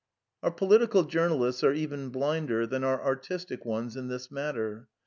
Our political journalists are even, blinder than our artistic ones in this matter.